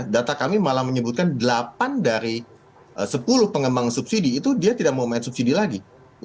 data kami malah menyebutkan delapan dari sepuluh pengembang subsidi itu dia tidak mau main subsidi lagi